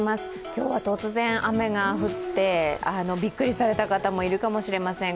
今日は突然、雨が降ってびっくりされた方もいるかもしれません。